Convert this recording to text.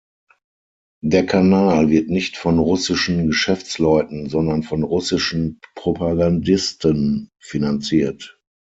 Der Kanal wird nicht von russischen Geschäftsleuten, sondern von russischen Propagandisten finanziert.